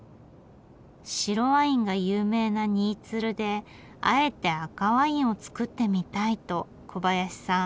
白ワインが有名な新鶴であえて赤ワインを造ってみたいと小林さん